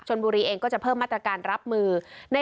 บุรีเองก็จะเพิ่มมาตรการรับมือ